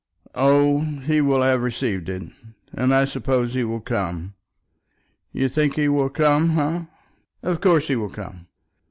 "Oh, he will have received it, and I suppose he will come. You think he will come, eh?" "Of course he will come."